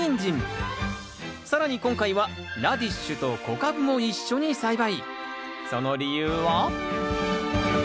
更に今回はラディッシュと小カブも一緒に栽培。